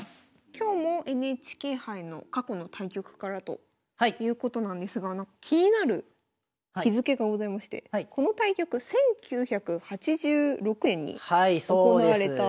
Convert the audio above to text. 今日もＮＨＫ杯の過去の対局からということなんですが気になる日付けがございましてこの対局１９８６年に行われた。